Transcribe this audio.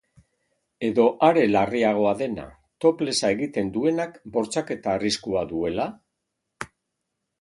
Edo are larriagoa dena, toplessa egiten duenak bortxaketa arriskua duela?